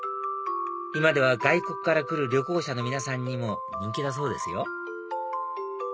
今では外国から来る旅行者の皆さんにも人気だそうですよ